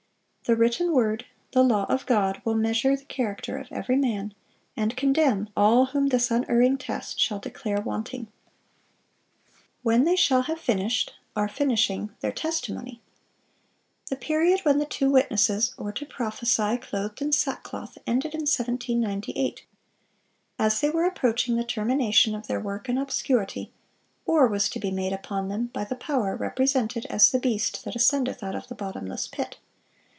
The written word, the law of God, will measure the character of every man, and condemn all whom this unerring test shall declare wanting. "When they shall have finished [are finishing] their testimony." The period when the two witnesses were to prophesy clothed in sackcloth, ended in 1798. As they were approaching the termination of their work in obscurity, war was to be made upon them by the power represented as "the beast that ascendeth out of the bottomless pit."